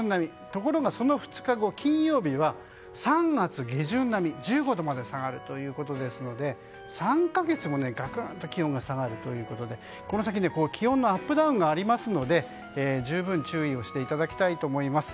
ところが、その２日後金曜日は３月下旬並み１２度も下がるということで３か月も、がくんと気温が下がるということでこの先、気温のアップダウンがあるので十分注意していただきたいと思います。